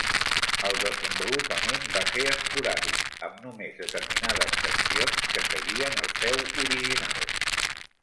El desenvolupament va ser esporàdic amb només determinades seccions que seguien el feu original.